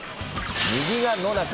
右は野中。